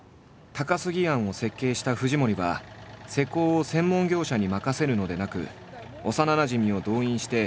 高過庵を設計した藤森は施工を専門業者に任せるのでなく幼なじみを動員して